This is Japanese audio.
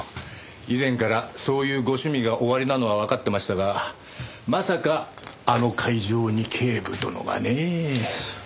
以前からそういうご趣味がおありなのはわかってましたがまさかあの会場に警部殿がねぇ。